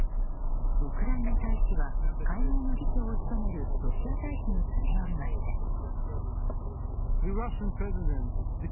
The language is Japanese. ウクライナ大使は会合の議長を務めるロシア大使に詰め寄りました。